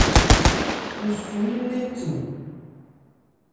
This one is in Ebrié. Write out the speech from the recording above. Khu su nnɛn tho.